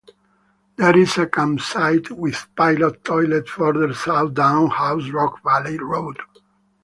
There is a campsite with pit toilet further south down House Rock Valley Road.